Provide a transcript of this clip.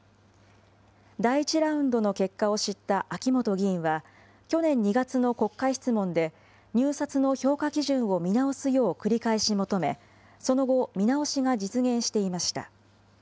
第１ラウンドの結果を知った秋本議員は、去年２月の国会質問で、入札の評価基準を見直すよう繰り返し求め、その後、見直しが実現していました。